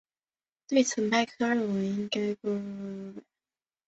对此麦克认为应该归功于剧组人员的敬业精神和演员们的精彩表演。